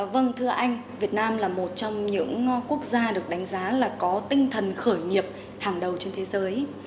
vâng thưa anh việt nam là một trong những quốc gia được đánh giá là có tinh thần khởi nghiệp hàng đầu trên thế giới